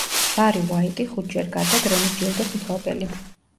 ბარი უაიტი ხუთჯერ გადა გრემის ჯილდოს მფლობელი.